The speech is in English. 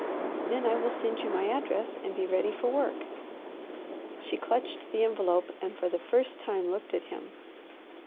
Then I will send you my address and be ready for work." She clutched the envelope and for the first time looked at him.